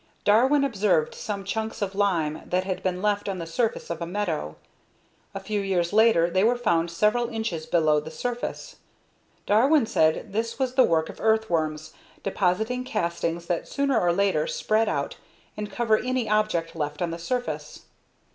Darwin observed some chunks of lime that had been left on the surface of a meadow. A few years later they were found several inches below the surface. Darwin said this was the work of earthworms, depositing castings that "sooner or later spread out and cover any object left on the surface."